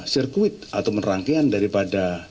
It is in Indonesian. sirkuit atau merangkian daripada